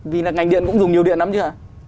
vì là ngành điện cũng dùng nhiều điện lắm chứ